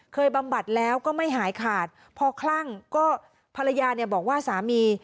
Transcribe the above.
บำบัดแล้วก็ไม่หายขาดพอคลั่งก็ภรรยาเนี่ยบอกว่าสามี